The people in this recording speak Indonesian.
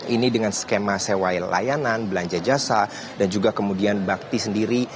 ini dengan skema sewa layanan belanja jasa dan juga kemudian bakti sendiri